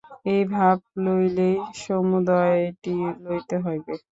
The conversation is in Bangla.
একটি ভাব লইলেই সমুদয়টি লইতে হইবে।